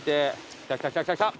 来た来た来た来た来た。